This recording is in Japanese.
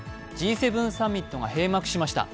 Ｇ７サミットが閉幕しました。